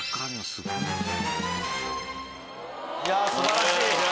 素晴らしい！